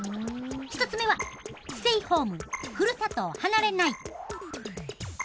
１つ目は「ステイホームふるさとを離れない」。